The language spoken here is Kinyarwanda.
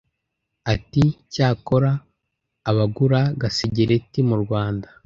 Ati Cyakora abagura gasegereti mu Rwanda,